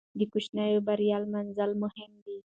د کوچنۍ بریا لمانځل مهم دي.